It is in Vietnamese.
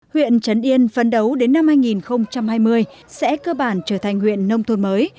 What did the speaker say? huyện trấn yên phấn đấu đến năm hai nghìn hai mươi sẽ cơ bản trở thành huyện nông thôn mới